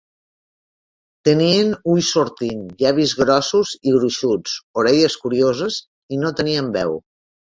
Tenien ulls sortint, llavis grossos i gruixuts, orelles curioses i no tenien veu.